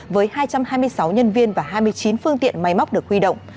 với hai trăm hai mươi sáu nhân viên và hai mươi chín phương tiện máy móc được huy động